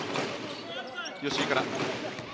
吉井から。